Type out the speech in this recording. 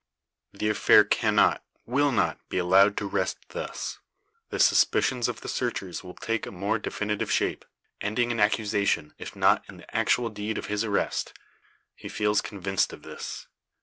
The affair cannot, will not, be allowed to rest thus. The suspicions of the searchers will take a more definite shape, ending in accusation, if not in the actual deed of his arrest. He feels convinced of this.